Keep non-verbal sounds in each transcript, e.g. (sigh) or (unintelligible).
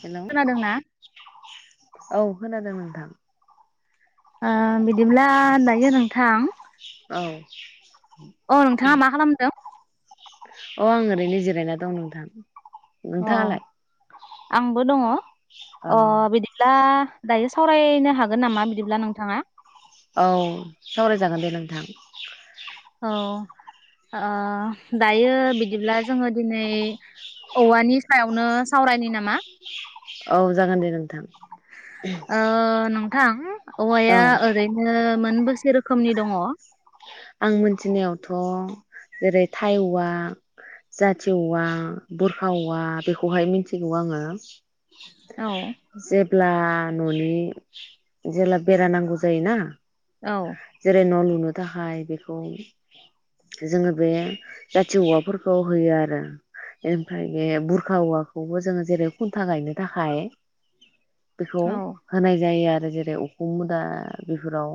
Hello खोनादों ना? औ खोनादों नोंथां। ओ बिदिब्ला दायो नोंथां? (inaudible) अ नोंथाङा मा खालामदों? अ आं ओरैनो जिरायना दं नोंथां। अ नोंथाङालाय आंबो दङ। औ अ बिदिब्ला दायो सावरायनो हागोन नामा बिदिब्ला नोंथाङा? औ सावरायजागोन दे नोंथां। औ ओ दायो बिदिब्ला जोङो दिनै औवानि सायावनो सावरायनायनि नामा? औ जागोन दे नोंथां। ओ नों थां औ औवाया ओरैनो मोनबो से रोखोमनि दङ आं मिथिनायावथ जेरै थाइ औवा जाथि औवा बुरखा औवा बेखौहाय मिथिगौ आङो। औ जेब्ला न'नि जेला बेरा नांगौ जायो ना। जेरै न' लुनो थाखाय बेखौ जोङो बे जाथि औवाफोरखौ होयो आरो ओमफ्राय बे बुरखा औवाखौबो जोङो जेरै खुन्था गायनो थाखाय बेखौ औ होनाय जायो आरो। जेरै उखुम मुदा बेफोराव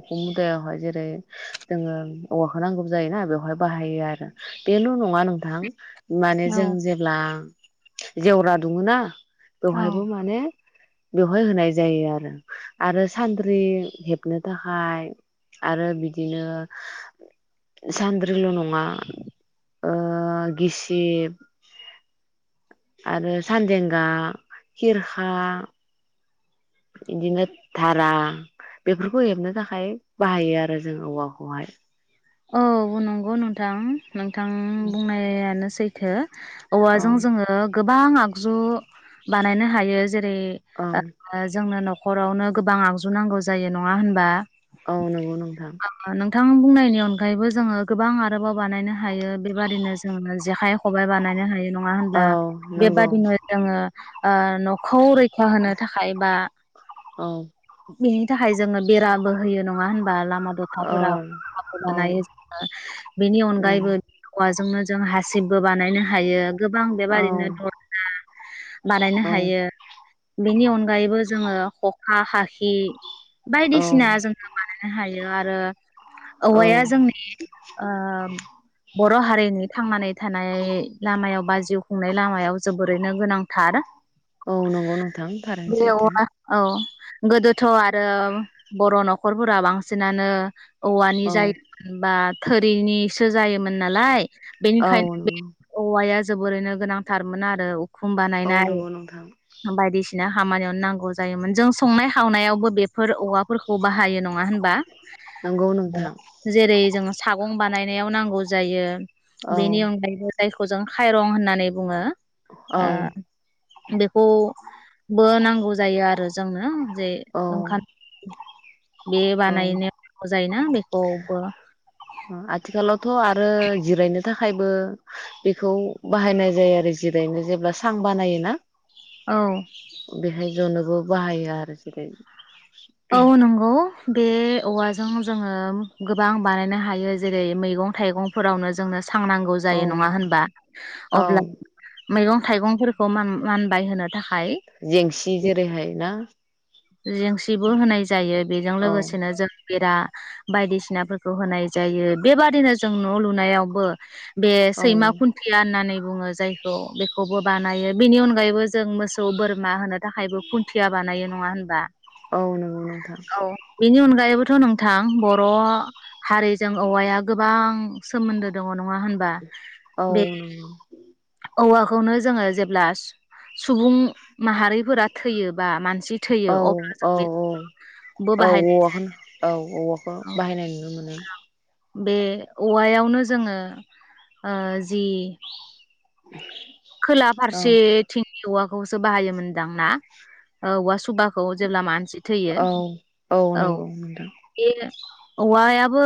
उखुम मुदायावहाय जेरै जै जोङो औवाखौ नांगौबो जायोना बेवहाय बाहायो आरो बेल नङा नोंथां माने जों औ जेब्ला जेवरा दुमो ना औ बेवहायबो माने बेवहाय होनाय जायो आरो आरो सान्द्रि हेबनो थाखाय आरो बिदिनो सानद्रिल न मा ओ गिसिब आरो सानदेंगा खिरखा इदिनो धारा‌ बेफोरखौ हेबनो थाखाय बाहायो आरो जों औवाखौहाय। औ नंगौ नोंथां। नोंथां बुंनायानोसै सैथो औ औवाजों जोङो गोबां आगजु बानायनो हायो। जेरै औ जोंनो नखरावनो गोबां आगजु नांगौ जायो नङा होनबा? औ नंगौ नोंथां थां बुंनायनि अनगा गायैबो जोङो गोबां आरोबाव बानायनो हायो बेबादिनो जोङो जेखाइ खबाइ बानायनो हायो। नङा होनब्ला औ नंगौ बेबादिनो जोङो ओ नखरै खा होनो थाखाय बा औ बिनि थाखाय जोङो बेराबो होयो नङा होनबा। बार औ अखाफोराव (unintelligible) औ होनाय जोङो बेनि उम अनगायैबो औवाजोंनो जों हासिबबो बानायनो हायो गोबां औ बेबादिनो दरजा बानायनो औ हायो। बेनि अनगायैबो जोङो खखा खाखि औ बायदिसिना जोङो बानायनो हायो आरो। औ औवाया जोंनि ओ बर' हारिनि थांनानै थानाय लामायाव बा जिउ खुंनाय लामायाव जोबोरैनो गोनांथार औ नंगौ नोंथां थारैनो बे सैथो अरा औ गोदोथ' आरो बर' न'खरफोरा बांसिनानो औ जायबा थोरिनिसो जायोमोन नालाय बेनिखायनो औ बे नंगौ औवाया जोबोरैनो गोनांथारमोन आरो उखुम औ बानायनाय नंगौ नोंथां बायदिसि ना हामानियाव नांगौ जायोमोन जों संनाय खावनायावबो बेफोर औवाफोरखौ बाहायो नङा होन नंगौ नोंथां जेरै जोङो सागं बानायनायाव नांगौ जायो औ बेनि अनगायैबो जायखौ जों खायरं होननानै बुङो औ ओ बेखौबो नांगौ जायो आरो जोंनो जे औ ओंखाम बे बानायनांगौ जायोना बे आथिखाल थ' आरो जिरायनो थाखायबो बेखौ बाहायनाय जायो आरो जिरायनो जेब्ला सां बानायोना औ बेहाय जनोबो बाहायो आरो जेरै औ नंगौ बे औवाजों जोङो गोबां बानायनो हायो जेरै मैगं थाइगंफोरावनो जोंनो। सांनांगौ औ जायो नङा होनबा औ अब्ला मैगं थाइगंफोरखौ मान मानबाय होनो थाखाय जेंसि जेरैहाय ना जेंसिबो होनाय जायो बेजों औ लोगोसेनो जों बेरा बायदिसिनाफोरखौ होनाय जायो बेबादिनो जों न' लुनायावबो बे औ सैमा खुन्थिया होननानै बुङो जायखौ बेखौबो बानायो बेनि अनगायैबो जों मोसौ बोरमा होनो थाखायबो खुन्थिया बानायो। नङा होन बा औ नंगौ नोंथां औ बिनि अनगायैबो थ नोंथां बर' हारिजों औवाया गोबां सोमोन्दो दङ न नङा होनबा औ बे नंगौ औवाखौनो जोङो जेब्ला सुबुं माहारिफोरा थैयोबा मानसि थै औ औ औ औ बाहायनाय औवाखौ औ औवखौनो बाहायनाय नु मोनो बे औवायावनो जोङो ओ जि खोला औ फारसेथिं औवाखौसो बाहायोमोनदां ना औवा सुबाखौ जेब्ला मान से थैयो औ औ नंगौ नोंथां बे औवायाबो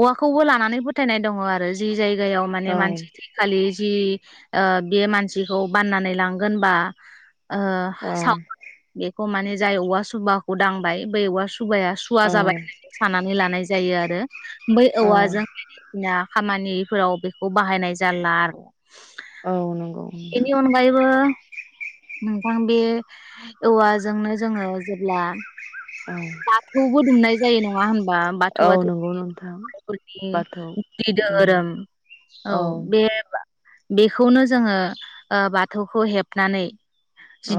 औवाखौबो लानानै फोथायनाय दङ आरो जि जाय जायगायाव माने औ मानसि थैखालि जि ओ बे मानसिखौ बाननानै लांगोनबा ओ औ साव बे माने जाय औवा सुबाखौ दांबाय बेै औवा सु सुबाया सुवा औ जाबाय सानानै लानाय जायो आरो। बै औ औवाजों ना खामानिफोराव बेखौ बाहायनाय जाला आरो। औ नंगौ नोंथां इनि अनगायैबो नोंथां बे औवाजोंनो जोङो जेब्ला औ बाथौबो दुमनाय जायो नङा होन बा औ बाथौआथ नंगौ नोंथां बर'निफोरनि बाथौ गुदि उम धोरोम औ बे बेखौनो जोङो ओ बाथौखौ हेबनानै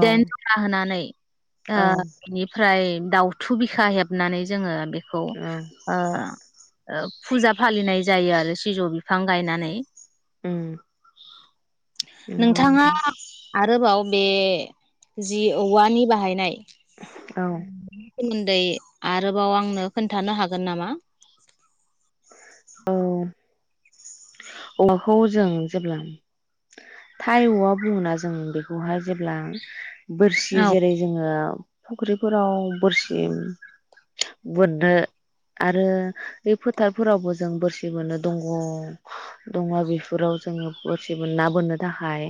औ जरा होनानै ओ औ बेनिफ्राय दाउ थु बिखा हेबनानै जोङो बे खौ औ ओ फुजा फालिनाय जायो आरो सिजौ बिफां गायनानै। उम नंगौ नोंथाङा नोंथां आरोबाव बे जि औवानि बाहायनाय औ नि सोमोन्दै आरोबाव आंनो खोन्थानो हागोन नामा औ औवाखौ जों जेब्ला थाइ औवा बुङो ना जों बेखौहाय जेब्ला बोरसि औ जेरै जोङो फख्रिफोराव बोरसि बोननो आरो बे फोथारफोरावबो जों बोरसि बोननो दंग दंला बेफोराव जोङो बोरसि बोन ना बोननो थाखाय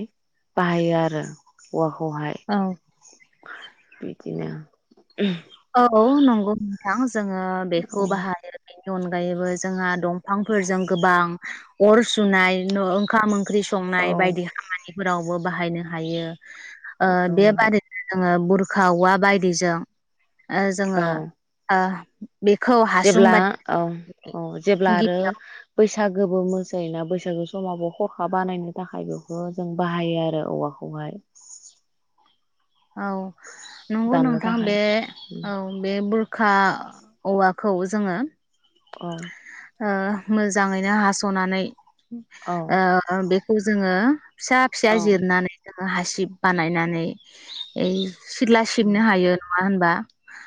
बाहायो आरो औवाखौ खौहाय औ बिदिनो औ नंगौ नोंथां जोङो बेखौ औ बाहायो नि अनगायैबो जोंहा दंफांफोरजों गोबां अर सुनाय नो ओंखाम ओंख्रि औ संनाय बायदि खामानिफोराव बो बाहायनो हायो ओ औ बेबादियैनो जोङो बुरखा औवा बाय दिजों जोङो औ ओ बेखौ हासुं जेब्ला बानायनानै औ औ जेब्ला आरो गिबियाव बैसाग गोबो मोसायो ना बैसागो समावबो खरखा बानायनो थाखाय बेखौ जों बाहायो आरो औवाखौहाय औ नंगौ दामनो नोंथां बे थाखाय औ बे बुर खा औवाखौ जोङो औ ओ मोजाङैनो हासनानै औ ओ बे खौ जोङो फिसा फिसा औ जिरनानै हासिब बानायनानै ओइ सिथला सिबनो हायो नङा होनबा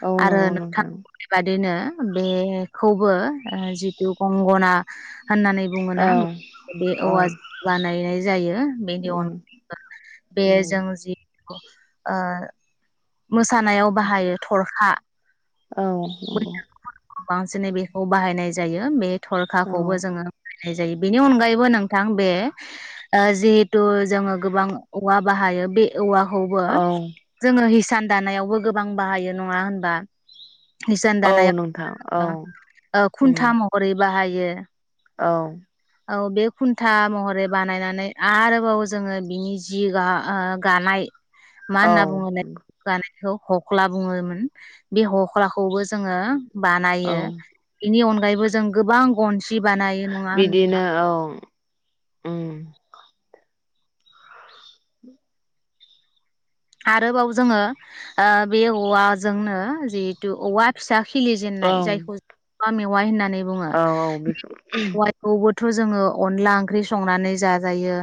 औ आरो नंगौ नोंथां बे बादिनो बेखौबो जिथु गंगना होननानै बुङोना औ बे औ औवाजों बानायनाय जायो बेनि उम अनगाबो बे उम जों जि ओ मोसानायाव बाहायो थरखा औ बैखौ नंगौ बांसिनै बेखौ बाहायनाय जायो बे औ थरखाखौबो जोङो बाहायनाय जायो बेनि अनगायैबो नोंथां बे ओ जिहेथु जोङो गोबां औवा बाहायो बे औवा खौबो‌ औ जोङो हिस इसान दानायावबो गोबां बाहायो नङा होनबा हिसान औ नोंथां औ दानायाव उम खुन्था महरै बाहायो औ औ बे खुन्था महरै बानायनानै आरोबाव जोङो बिनि जि गा गानाय मा औ होनना बुंङोलाय गानाय बेखौ हख्ला बुङोमोन बे हख हख्लाखौबो जोङो औ बानायो बेनि अनग बायबो जों गोबां गनसि बानायो नङा होनबा बिदिनो औ उम आरोबाव जोङो ओ बे औवाजोंनो जिहेथु औवा फिसा औ खिलिजेननाय जायखौ जों औवा मेवाय होननानै नै बुङो औ बेखौ (unintelligible) थ' जोङो अनला ओंख्रि संनानै जाजायो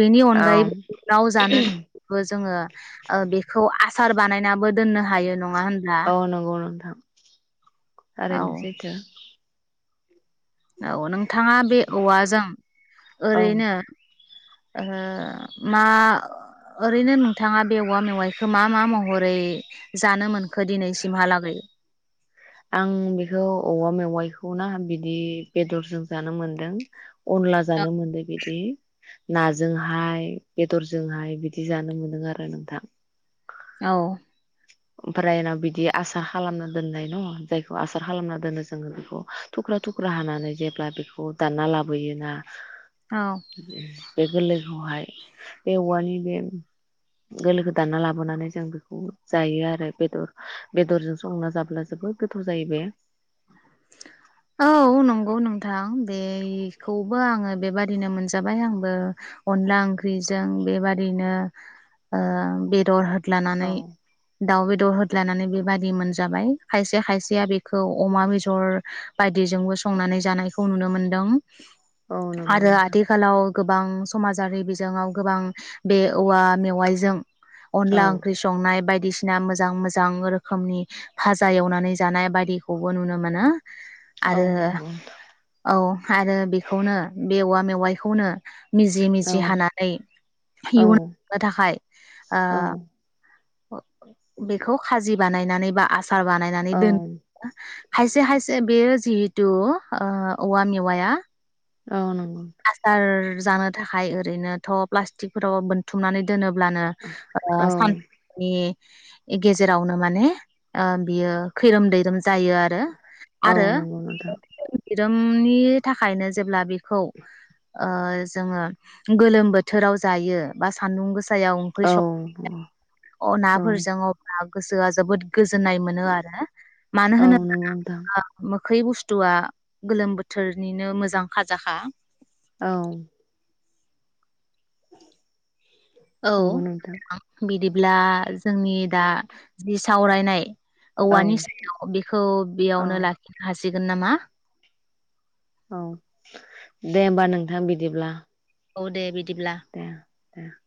बेनि औ अनगायैबो लाव जानो थाखायबो जोङो ओ बेखौ आस सार बानायनाबो दोननो हायो हायो नङा होनब्ला औ नंगौ नोंथां औ थारैनो सैथो औ नोंथाङा बे औवाजों औ ओरैनो ओहो मा ओरैनो नोंथाङा बे औवा मेवाइखौ मा मा महरै जानो मोनखो दिनैसिमहालागै आं बेखौ औवा मेवाइखौ ना बिदि बेदरजों जानो मोनदों अनला जानो मोनदों बिदि नाजोंहाय बेदरजोंहाय बिदि जानो मोनदों आरो नोंथां औ ओमफ्राय उनाव बिदि आसार खालामना दोननाय न' जायखौ आसार खालामना दोनो जोङो बेखौ थुख्रा थुख्रा हानानै जेब्ला बेखौ दानना लाबोयोना औ बिज (unintelligible) बे गोरलैखौहाय बे औवानि बे गोरलैखो दानना लाबोनानै जों जायो आरो बेदर बेदरजों संना जाब्ला जोबोद गोथाव जायो बे औ नंगौ नोंथां बेखौबो आङो बेबादिनो मोनजाबाय आंबो अनला ओंख्रिजों बेबादिनो ओ बेदर हो औ लानानै दाउ बे- दर होदलानानै बेबादि मोनजाबाय खायसे खायसेया बे खौ अमा बेजर बायदिजोंबो संनानै जानायखौ नुनो मोन्दों औ नंगौ आरो नोंथां आथि खालाव गोबां समाजारि बिजोङाव गोबां बे औवा मेवाइजों अनला औ ओंख्रि संनाय बाय दिसिना मोजां मोजां रोखोमनि फाजा एवनानै जानाय बायदिखौबो नुनो मोनो औ आरो नंगौ औ आरो बेखौनो बे औवा मेव वायखौनो मिजि औ मिजि हानानै औ इयुननो थाखाय औ बेखौ खाजि बानायनानै बा आस र बानायनानै औ दोन खायसे खायसे बेयो जिहेतु ओ औवा मेवाया औ नं आसर जानो थाखाय ओ रैनोथ प्लास्टिकफोराव बोनथुमनानै दोनोब्लानो ओ औ साननि गेजेरावनो माने ओ बियो खैरोम दैैरोम जायो आरो औ आरो नंगौ नोंथां रोमनि थाखायनो जेब्ला बेखौ ओ जोङो गोलोम बोथोराव जायो बा सान्दुं गोसा याव ओंख्रि औ नंगौ सं औ नाफोरजों अब्ला गोसोआ जोबोद गोजोन्नाय मोनो आरो मानो औ नंगौ नोंथां होनोब्ला खै बुस्थुआ गोलोम बोथोरनिनो मोजां खाजाखा औ औ नंगौ नोंथां बिदि ब्ला जोंनि दा जि सावरायनाय औ औवानि सायाव बेखौ औ बेयावनो लाखिनो हासि सिगोन नामा औ दे होमबा नोंथां बिदिब्ला औ दे बि बिदिब्ला दा (unintelligible)